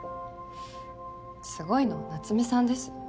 すごいのは夏目さんです